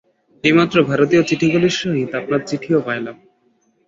এইমাত্র ভারতীয় চিঠিগুলির সহিত আপনার চিঠিও পাইলাম।